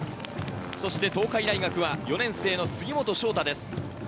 東海大学は４年生の杉本将太です。